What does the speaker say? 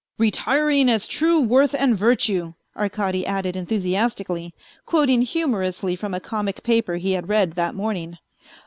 " Retiring as true worth and virtue," Arkady added enthusi astically, quoting humorously from a comic paper he had read that morning.